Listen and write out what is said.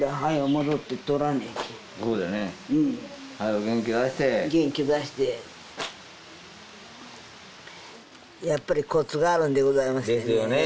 戻って取らにゃいけんそうじゃねはよ元気出して元気出してやっぱりコツがあるんでございましてねですよね